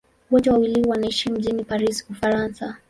Wote wawili wanaishi mjini Paris, Ufaransa.